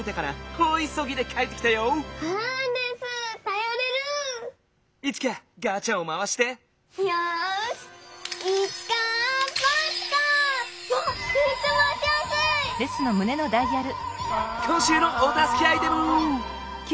こんしゅうのおたすけアイテム。